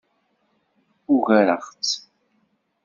Ugareɣ-tt.